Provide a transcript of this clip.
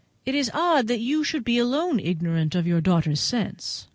"It is odd that you should alone be ignorant of your daughter's sense!"